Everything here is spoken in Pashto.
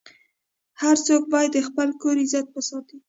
هر څوک باید د خپل کور عزت وساتي.